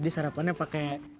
tadi serepannya pakai